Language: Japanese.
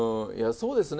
そうですよね。